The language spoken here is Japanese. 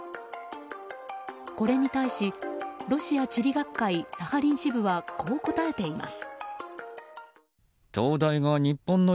これに対しロシア地理学会サハリン支部はこう答えています。